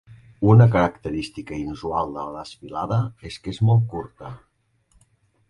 Una característica inusual de la desfilada és que és molt curta.